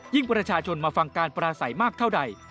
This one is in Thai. ประชาชนมาฟังการปราศัยมากเท่าใด